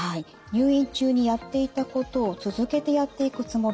「入院中にやっていたことを続けてやっていくつもり」。